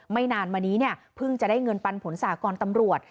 นานมานี้เนี่ยเพิ่งจะได้เงินปันผลสากรตำรวจ